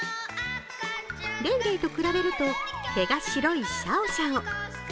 レイレイと比べると、毛が白いシャオシャオ。